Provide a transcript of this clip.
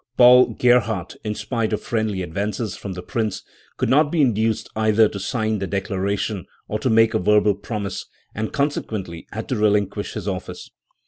Paul Gerhardt, in spite of friendly advances from the Prince, could not be induced either to sign the declaration or to make a verbal promise, and consequently had to relinquish his office.